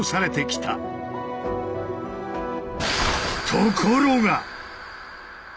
ところが！